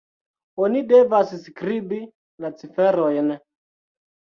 Oni devas skribi la ciferojn